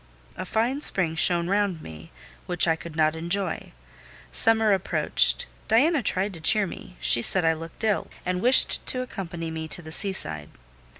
A fine spring shone round me, which I could not enjoy. Summer approached; Diana tried to cheer me: she said I looked ill, and wished to accompany me to the sea side.